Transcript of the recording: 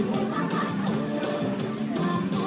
ตรงตรงตรงตรง